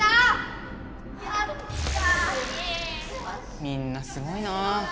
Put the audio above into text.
みんなすごいな。